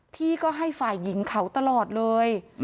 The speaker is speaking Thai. พี่ก็ให้ฝ่ายหญิงเขาตลอดเลย